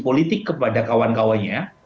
politik kepada kawan kawannya